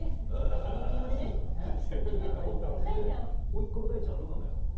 おいっ子の大ちゃんはどうなのよ。